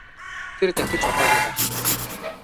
Тэр давхиж одоогүй байх тийм үү?